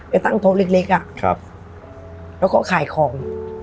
ไอ้ตั้งโท๊กเล็กเล็กอะครับแล้วก็ขายของ